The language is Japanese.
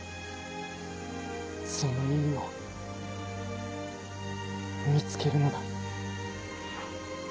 その意味を見つけるのだ。